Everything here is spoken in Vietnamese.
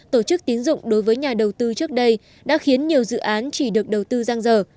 tổ chức tín dụng đối với nhà đầu tư trước đây đã khiến nhiều dự án chỉ được đầu tư giang dở